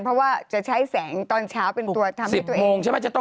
เพราะว่าจะใช้แสงตอนเช้าเป็นตัวทำให้ตัวเองใช่ไหม